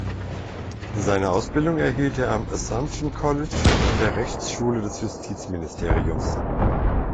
Seine Ausbildung erhielt er am Assumption College und an der Rechtsschule des Justizministeriums.